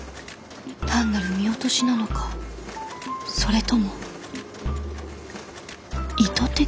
単なる見落としなのかそれとも意図的に？